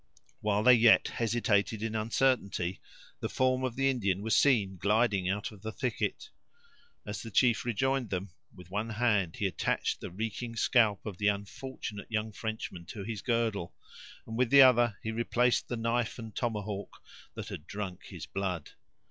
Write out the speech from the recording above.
While they yet hesitated in uncertainty, the form of the Indian was seen gliding out of the thicket. As the chief rejoined them, with one hand he attached the reeking scalp of the unfortunate young Frenchman to his girdle, and with the other he replaced the knife and tomahawk that had drunk his blood.